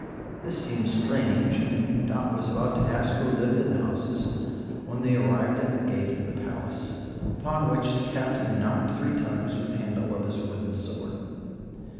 This seemed strange, and Dot was about ask who lived in the houses, when they arrived at the gate of the palace, upon which the Captain knocked three times with the handle of his wooden sword.